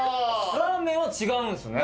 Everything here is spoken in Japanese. ラーメンは違うんすね